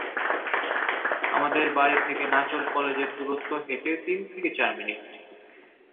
আমাদের বাড়ি থেকে নাচোল কলেজের দূরত্ব হেঁটে তিন থেকে চার মিনিট।